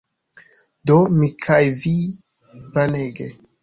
Do, mi kaj vi Vanege